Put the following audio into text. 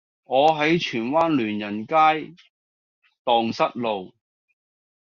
我喺荃灣聯仁街盪失路